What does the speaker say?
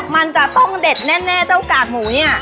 มันจะต้องเด็ดแน่เจ้ากากหมูเนี่ย